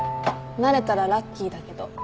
なれたらラッキーだけど。